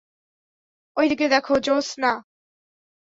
ঐদিকে দেখো, জোশ না?